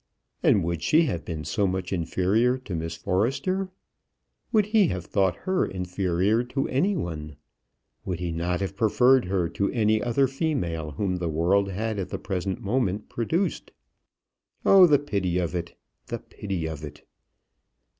And would she have been so much inferior to Miss Forrester? Would he have thought her inferior to any one? Would he not have preferred her to any other female whom the world had at the present moment produced? Oh, the pity of it; the pity of it!